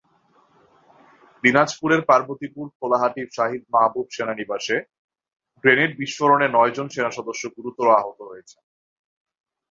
দিনাজপুরের পার্বতীপুর খোলাহাটি শহীদ মাহবুব সেনানিবাসে গ্রেনেড বিস্ফোরণে নয়জন সেনাসদস্য গুরুতর আহত হয়েছেন।